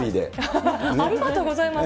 ありがとうございます。